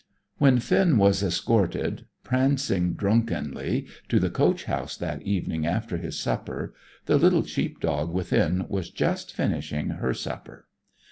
When Finn was escorted prancing drunkenly to the coach house that evening after his supper, the little sheep dog within was just finishing her supper.